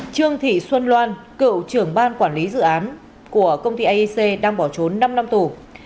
trương thị xuân loan cựu trưởng ban quản lý dự án của công ty aic đang bỏ trốn năm năm tù